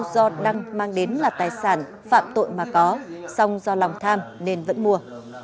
do đăng mang đến là tài sản phạm tội mà có song do lòng tham nên vẫn mua